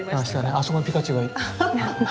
あそこにピカチュウがいる！